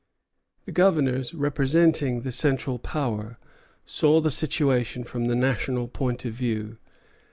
The governors, representing the central power, saw the situation from the national point of view.